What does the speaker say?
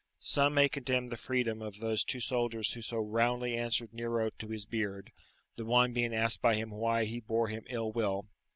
Some may condemn the freedom of those two soldiers who so roundly answered Nero to his beard; the one being asked by him why he bore him ill will?